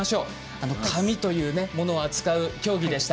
紙というものを扱う競技でした。